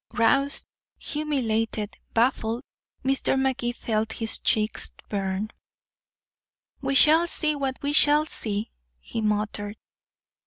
Roused, humiliated, baffled, Mr. Magee felt his cheeks burn. "We shall see what we shall see," he muttered.